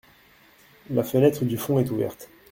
La fenêtre du fond est ouverte.